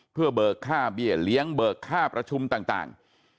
เพื่อเบอร์ค่าเบียร์เลี้ยงเบอร์ค่าระชุมต่าง